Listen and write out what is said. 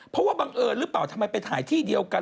เพราะว่าบังเอิญหรือเปล่าทำไมไปถ่ายที่เดียวกัน